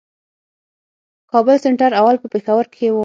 کابل سېنټر اول په پېښور کښي وو.